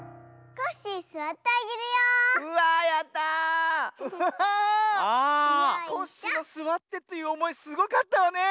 コッシーの「すわって」っていうおもいすごかったわねえ。